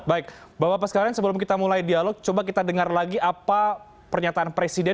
baik bapak bapak sekalian sebelum kita mulai dialog coba kita dengar lagi apa pernyataan presiden